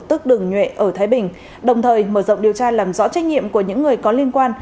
tức đường nhuệ ở thái bình đồng thời mở rộng điều tra làm rõ trách nhiệm của những người có liên quan